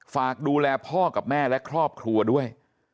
ฝากดูแลพ่อกับแม่และครอบครัวด้วย